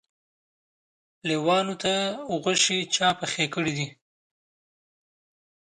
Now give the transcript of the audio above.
لېوانو ته غوښې چا پخې کړي دي؟